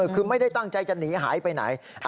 คือไม่ได้ตั้งใจจะหนีหายไปไหน